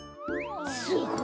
すごい！